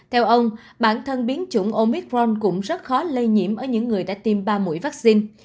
theo ông bản thân biến chủng omitron cũng rất khó lây nhiễm ở những người đã tiêm ba mũi vaccine